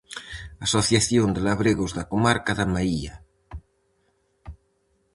Asociación de labregos da comarca da Mahía.